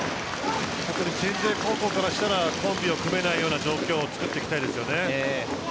鎮西高校からしたらコンビを組めないような状況を作っていきたいですよね。